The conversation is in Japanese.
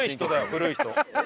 「古い人」。